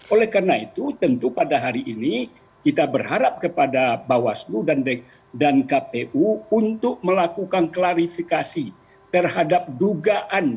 oleh karena itu tentu pada hari ini kita berharap kepada bawaslu dan kpu untuk melakukan klarifikasi terhadap dugaan